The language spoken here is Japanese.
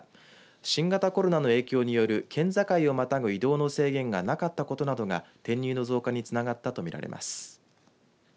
新型コロナの影響による県境をまたぐ移動の制限がなかったことなどが転入の増加につながったと見られます。